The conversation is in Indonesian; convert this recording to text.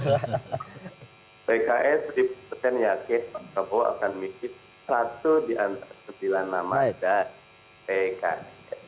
pks dipercaya nyakit pak prabowo akan memilih satu diantara sembilan nama dan pks